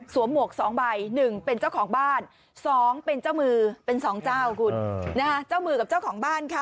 หมวก๒ใบ๑เป็นเจ้าของบ้าน๒เป็นเจ้ามือเป็นสองเจ้าคุณนะคะเจ้ามือกับเจ้าของบ้านค่ะ